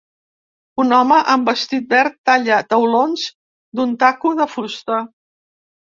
Un home amb vestit verd talla taulons d'un taco de fusta